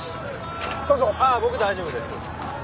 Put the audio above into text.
どうぞああ僕大丈夫です